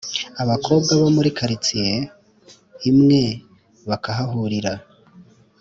abakobwa bo muri karitsiye imwe bakahahurira.